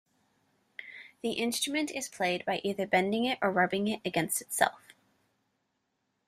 The instrument is played by either bending it or rubbing it against itself.